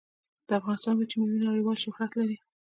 د افغانستان وچې میوې نړیوال شهرت لري